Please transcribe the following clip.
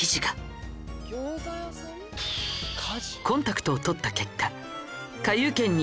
コンタクトを取った結果と判明。